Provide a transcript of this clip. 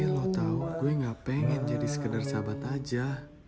mau tau gue nggak pengen jadi sekedar sahabat aja